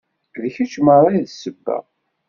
D kečč merra i d ssebba